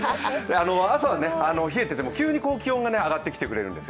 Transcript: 朝は冷えていても急に気温が上がってきてくれるんです。